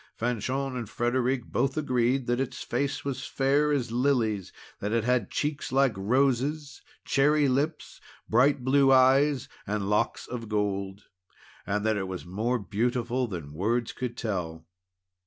Fanchon and Frederic both agreed that its face was fair as lilies, that it had cheeks like roses, cherry lips, bright blue eyes, and locks of gold; and that it was more beautiful than words could tell.